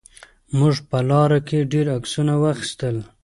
موږ په لاره کې ډېر عکسونه واخیستل.